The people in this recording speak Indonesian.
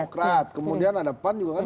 demokrat kemudian ada pan juga kan